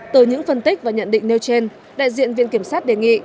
từ những phân tích và nhận định nêu trên đại diện viện kiểm sát đề nghị